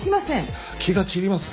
気が散ります。